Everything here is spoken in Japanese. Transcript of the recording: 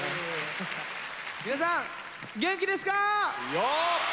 皆さん元気ですか！